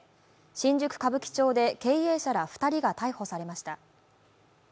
新宿・歌舞伎町で経営者ら２人が逮捕されました。